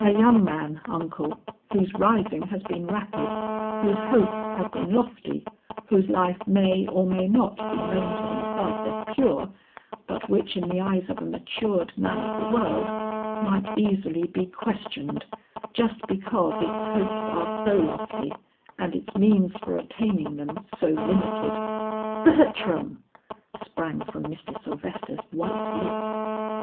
A young man, uncle, whose rising has been rapid, whose hopes have been lofty, whose life may or may not be known to himself as pure, but which in the eyes of a matured man of the world might easily be questioned, just because its hopes are so lofty and its means for attaining them so limited." "Bertram!" sprang from Mr. Sylvester's white lips.